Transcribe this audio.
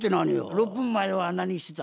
６分前は何してた？